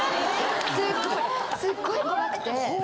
すっごい怖くて。